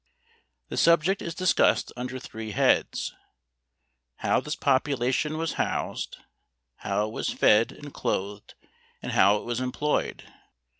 The subject is discussed under three heads how this population was housed, how it was fed and clothed and how it was employed.